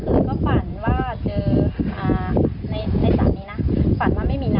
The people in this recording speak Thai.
เมื่อคืนแบบฝันในน้ำไม่มี